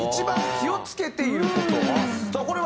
さあこれは？